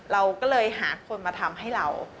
เราก็เลยหาคนมาทำให้เรา